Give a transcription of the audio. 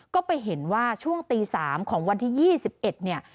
ก็ไปเห็นว่าช่วงตี๓ของวันที่๒๑เนี่ย